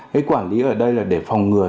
cái quản lý ở đây là để phòng ngừa